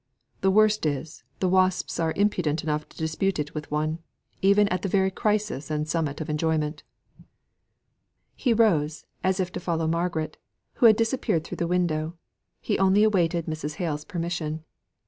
The worst is, the wasps are impudent enough to dispute it with one, even at the very crisis and summit of enjoyment." He rose, as if to follow Margaret, who had disappeared through the window: he only awaited Mrs. Hale's permission.